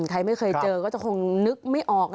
ใครไม่เคยเจอก็จะคงนึกไม่ออก